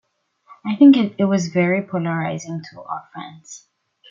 I think it was very polarizing to our fans.